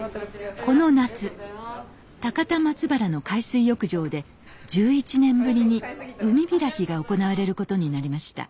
この夏高田松原の海水浴場で１１年ぶりに海開きが行われることになりました。